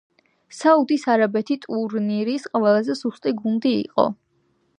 საუდის არაბეთი ტურნირის ყველაზე სუსტი გუნდი იყო.